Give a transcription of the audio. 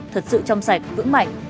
thật sự chăm sạch vững mạnh